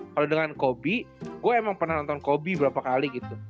kalo dengan kobe gue emang pernah nonton kobe berapa kali gitu